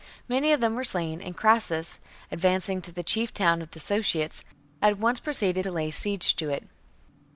Many of them were slain ; and Crassus, advancing to the chief town of the Sotiates,^ at once proceeded to lay siege to it.